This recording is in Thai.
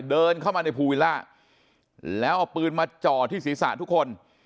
เดินเข้ามาในภูวิลล่าแล้วเอาปืนมาจ่อที่ศีรษะทุกคน